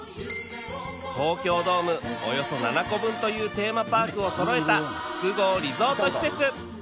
東京ドームおよそ７個分というテーマパークをそろえた複合リゾート施設